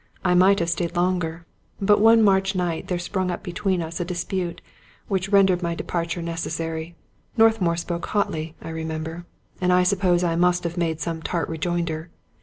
I might have stayed longer ; but one March night there sprung up between us a dispute, which rendered my departure necessary. North mour spoke hotly, I remember, and I suppose I must have made some tart rejoinder.